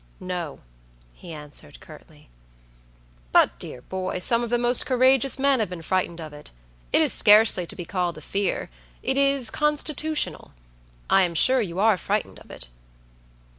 "No," he answered, curtly. "But, dear boy, some of the most courageous men have been frightened of it. It is scarcely to be called a fear: it is constitutional. I am sure you are frightened of it."